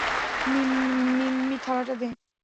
মিম্মি থালাটা দে।